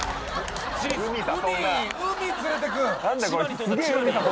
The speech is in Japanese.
海連れてく！